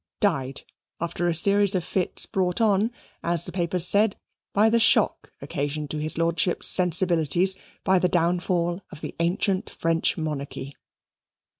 died after a series of fits brought on, as the papers said, by the shock occasioned to his lordship's sensibilities by the downfall of the ancient French monarchy.